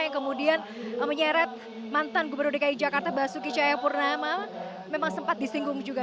yang kemudian menyeret mantan gubernur dki jakarta basuki cahayapurnama memang sempat disinggung juga